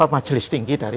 majelis tinggi dari